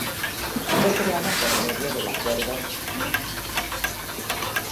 Fue creada por medio del Acuerdo No.